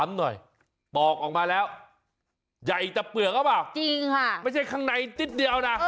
นี่ไงชัด